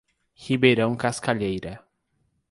Ribeirão Cascalheira